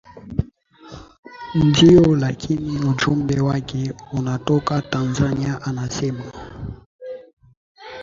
ndio lakini ujumbe wake unatoka tanzania anasema